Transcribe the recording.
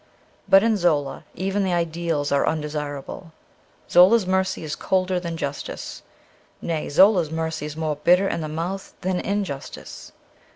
But in Zola even the ideals are undesirable ; Zola's mercy is colder than justice — nay, Zola's mercy is more bitter in the mouth than injustice.